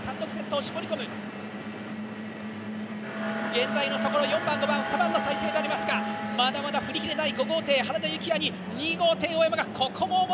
現在のところ４番５番２番の態勢でありますがまだまだ振り切れない５号艇原田幸哉に２号艇大山がここも思い切って攻めたてる！